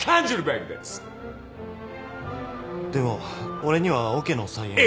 でも俺にはオケの再演が。